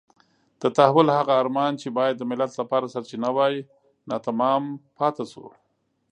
د تحول هغه ارمان چې باید د ملت لپاره سرچینه وای ناتمام پاتې شو.